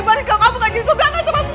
barangkali kamu gak jadi tunangan sama mike